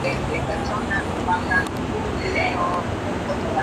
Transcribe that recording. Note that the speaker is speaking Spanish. Se utiliza en los problemas de conteo y probabilidad.